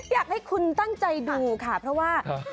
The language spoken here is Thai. อยากให้คุณตั้งใจดูค่ะเพราะว่า